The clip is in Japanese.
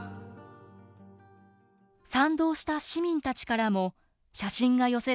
賛同した市民たちからも写真が寄せられていました。